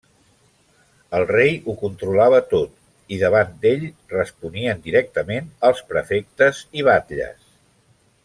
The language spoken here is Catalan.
El rei ho controlava tot, i davant ell responien directament els prefectes i batlles.